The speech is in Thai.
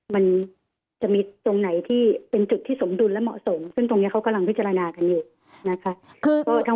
มันจะมีตรงไหนที่เป็นจุดที่สมดุลและเหมาะสมซึ่งตรงนี้เขากำลังพิจารณากันอยู่นะคะ